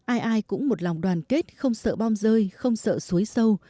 ai ai cũng một lòng đoàn kết không sợ bom rơi không sợ suối sâu